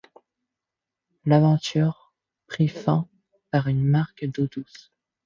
L'aventure prit fin par manque d'eau douce.